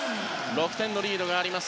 ６点のリードがあります